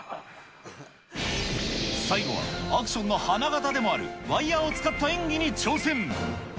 最後は、アクションの花形でもある、ワイヤーを使った演技に挑戦。